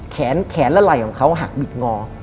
แขนแขนและไหล่ของเขาหักบิดงอ